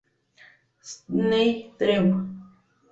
Sidney Drew.